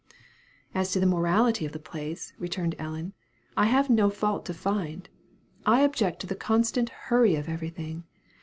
"As to the morality of the place," returned Ellen, "I have no fault to find. I object to the constant hurry of everything.